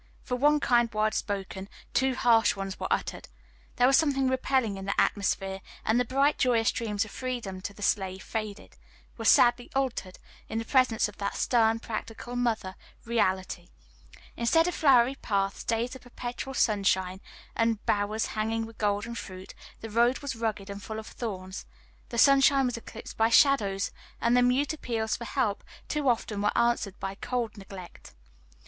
For one kind word spoken, two harsh ones were uttered; there was something repelling in the atmosphere, and the bright joyous dreams of freedom to the slave faded were sadly altered, in the presence of that stern, practical mother, reality. Instead of flowery paths, days of perpetual sunshine, and bowers hanging with golden fruit, the road was rugged and full of thorns, the sunshine was eclipsed by shadows, and the mute appeals for help too often were answered by cold neglect.